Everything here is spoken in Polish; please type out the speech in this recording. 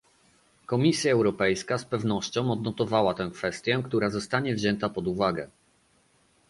Komisja Europejska z pewnością odnotowała tę kwestię, która zostanie wzięta pod uwagę